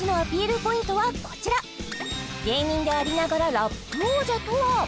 ポイントはこちら芸人でありながらラップ王者とは？